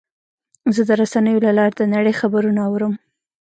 زه د رسنیو له لارې د نړۍ خبرونه اورم.